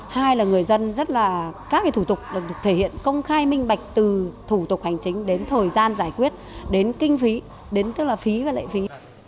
hai là người dân rất là các thủ tục được thể hiện công khai minh bạch từ thủ tục hành chính đến thời gian giải quyết đến kinh phí đến tức là phí và lệ phí